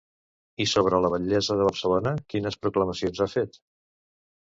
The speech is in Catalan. I sobre la batllessa de Barcelona quines proclamacions ha fet?